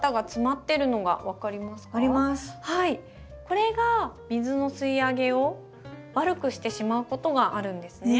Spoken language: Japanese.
これが水の吸いあげを悪くしてしまうことがあるんですね。